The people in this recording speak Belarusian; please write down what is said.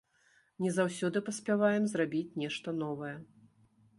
Не заўсёды паспяваем зрабіць нешта новае.